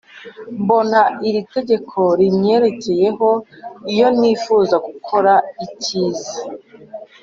Mbona iri tegeko rinyerekeyeho iyo nifuza gukora icyiza